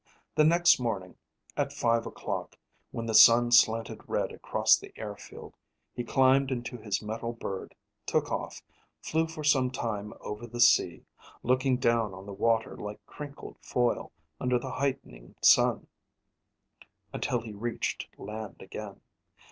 The next morning, at five o'clock, when the sun slanted red across the air field, he climbed into his metal bird, took off, flew for some time over the sea, looking down on the water like crinkled foil under the heightening sun, until he reached land again.